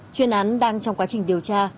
chuyên án đang trong quá trình điều tra